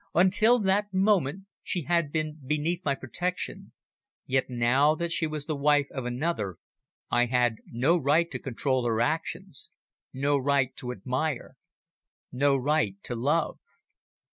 Until that moment she had been beneath my protection, yet now that she was the wife of another I had no right to control her actions, no right to admire, no right to love.